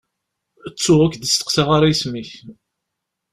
Ttuɣ ur k-id-steqsaɣ ara isem-ik.